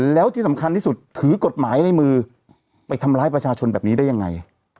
แล้วที่สำคัญที่สุดถือกฎหมายในมือไปทำร้ายประชาชนแบบนี้ได้ยังไง